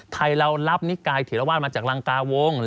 ไทยเรารับนิกายเถรวาสมาจากรังกาวง